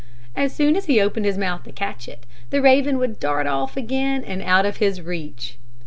As soon as he opened his mouth to catch it, the raven would dart off again out of his reach.